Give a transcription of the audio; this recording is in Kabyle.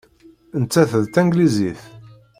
Nettat d Tanglizit.